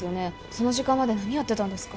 その時間まで何やってたんですか？